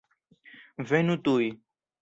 Venu tuj.